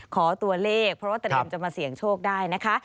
ขอตัวเลขเพราะว่าเตรียมจะมาเสี่ยงโชคได้นะคะ